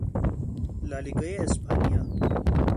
لالیگای اسپانیا